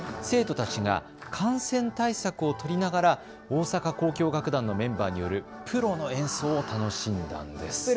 生徒たちが感染対策を取りながら大阪交響楽団のメンバーによるプロの演奏を楽しんだんです。